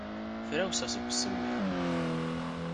Frawseɣ seg usemmiḍ.